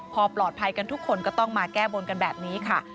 พอปลอดภัยกันทุกคนก็ต้องมาแก้บนกันแบบนี้ค่ะ